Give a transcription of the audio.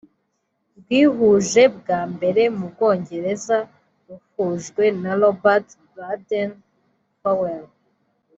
rwihuje bwa mbere mu bwongereza ruhujwe na Robert Baden-Powell